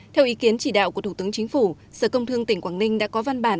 theo ý kiến chỉ đạo của thủ tướng chính phủ sở công thương tỉnh quảng ninh đã có văn bản